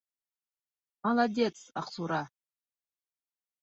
— Молодец, Аҡсура!